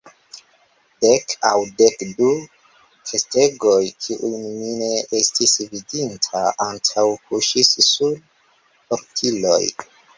Dek aŭ dek du kestegoj, kiujn mi ne estis vidinta antaŭe, kuŝis sur portiloj.